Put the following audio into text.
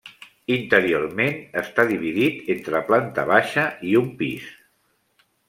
Interiorment està dividit entre planta baixa i un pis.